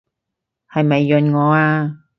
係咪潤我啊？